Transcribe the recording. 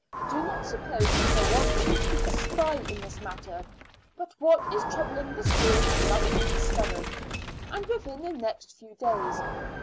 Do not suppose that I want you to be a spy in this matter, but what is troubling the school must be discovered, and within the next few days.